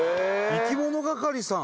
いきものがかりさん。